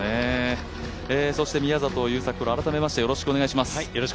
そして宮里優作プロ、改めましてよろしくお願いします。